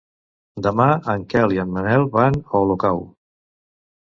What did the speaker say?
Demà en Quel i en Manel van a Olocau.